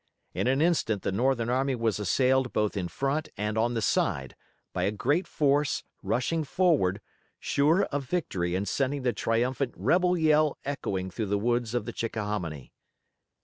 In an instant the Northern army was assailed both in front and on the side, by a great force, rushing forward, sure of victory and sending the triumphant rebel yell echoing through the woods of the Chickahominy.